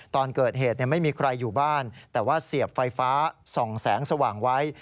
ตอนเกิดเหตุไม่มีใครอยู่บ้านแต่ว่าเสียบไฟฟ้าส่องแสงสว่างไว้